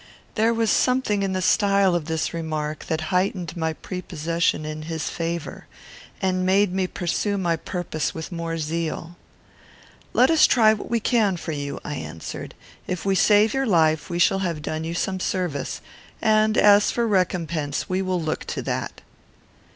There was something in the style of this remark, that heightened my prepossession in his favour, and made me pursue my purpose with more zeal. "Let us try what we can do for you," I answered. "If we save your life, we shall have done you some service, and, as for recompense, we will look to that."